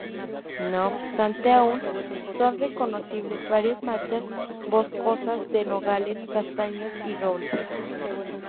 No obstante aún son reconocibles varias manchas boscosas de nogales, castaños y robles.